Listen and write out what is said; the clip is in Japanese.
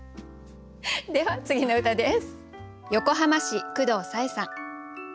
では次の歌です。